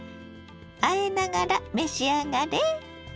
あえながら召し上がれ！